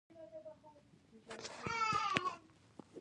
مسلمانو اصلاح غوښتونکو ډېر کار کړی دی.